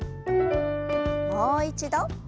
もう一度。